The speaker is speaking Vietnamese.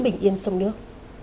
bình yên sông nước